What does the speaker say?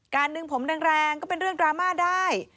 ดึงผมแรงก็เป็นเรื่องดราม่าได้